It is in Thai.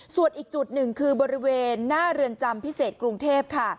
ส่วนอีกจุดหนึ่งคือบริเวณหน้าเรือนจำพิเศษกรุงเทพค่ะ